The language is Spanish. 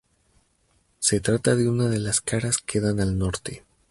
Se trata de una de las caras que dan al norte.